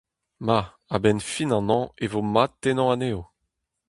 Ma, a-benn fin an hañv e vo mat tennañ anezho.